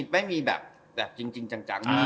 ไม่มีแบบจริงจัง